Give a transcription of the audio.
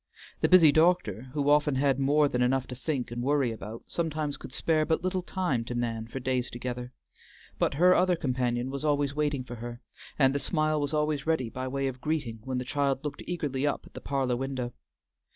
The busy doctor, who often had more than enough to think and worry about, sometimes could spare but little time to Nan for days together, but her other companion was always waiting for her, and the smile was always ready by way of greeting when the child looked eagerly up at the parlor window.